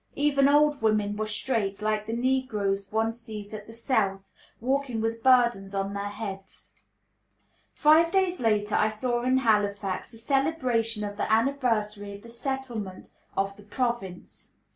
Even old women were straight, like the negroes one sees at the South, walking with burdens on their heads. Five days later I saw in Halifax the celebration of the anniversary of the settlement of the province.